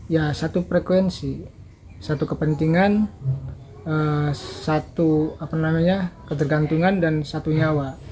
ya satu frekuensi satu kepentingan satu apa namanya ketergantungan dan satu nyawa